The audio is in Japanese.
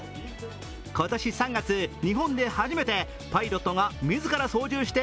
今年３月、日本で初めてパイロット自ら操縦して